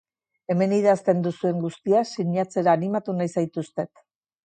Hemen idazten duzuen guztia sinatzera animatu nahi zaituztet.